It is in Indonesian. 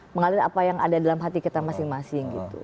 mengalir apa yang ada dalam hati kita masing masing